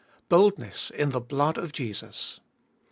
Boldness in the blood of Jesus.